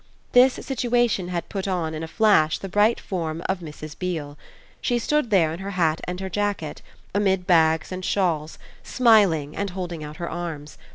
This situation had put on in a flash the bright form of Mrs. Beale: she stood there in her hat and her jacket, amid bags and shawls, smiling and holding out her arms.